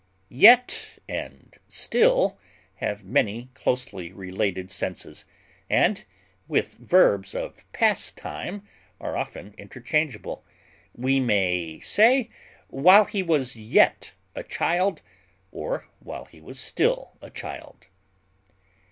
Yet and still have many closely related senses, and, with verbs of past time, are often interchangeable; we may say "while he was yet a child," or "while he was still a child."